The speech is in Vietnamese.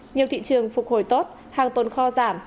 nhiều thị trường phục hồi tốt hàng tồn kho giảm